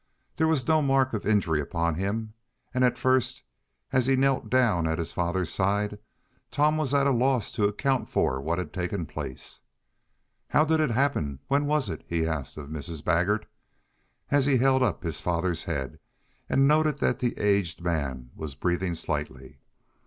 There was no mark of injury upon him, and at first, as he knelt down at his father's side, Tom was at a loss to account for what had taken place. "How did it happen? When was it?" he asked of Mrs. Baggert, as he held up his father's head, and noted that the aged man was breathing slightly.